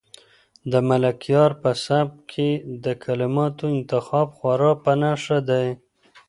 د ملکیار په سبک کې د کلماتو انتخاب خورا په نښه دی.